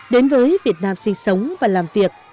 đến với việt nam sinh sống và làm việc